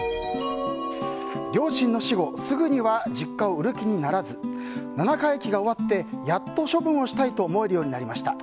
両親の死後すぐには実家を売る気にならず七回忌が終わってやっと処分をしたいと思えるようになりました。